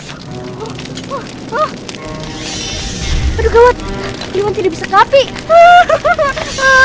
aduh gawat limon tidak bisa terhapir